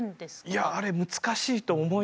いやあれ難しいと思います。